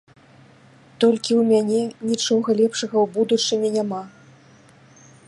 Толькі ў мяне нічога лепшага ў будучыні няма.